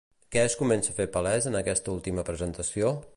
Què es comença a fer palès en aquesta última presentació?